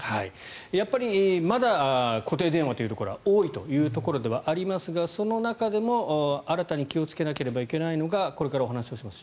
やっぱりまだ固定電話というところが多いというところではありますがその中でも、新たに気をつけなければいけないのがこれからお話をします